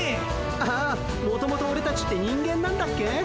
ああもともとオレたちって人間なんだっけ？